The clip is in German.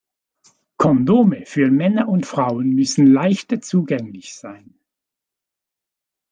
Kondome für Männer und Frauen müssen leichter zugänglich sein.